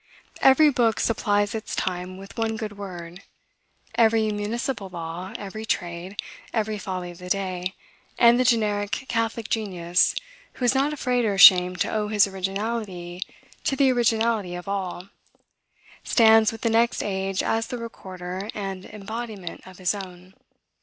Every book supplies its time with one good word; every municipal law, every trade, every folly of the day, and the generic catholic genius who is not afraid or ashamed to owe his originality to the originality of all, stands with the next age as the recorder and embodiment of his own.